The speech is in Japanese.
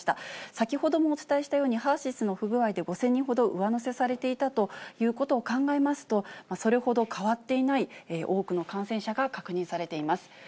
先ほどもお伝えしたようにハーシスの不具合で５０００人ほど上乗せされていたということを考えますと、それほど変わっていない多くの感染者が確認されています。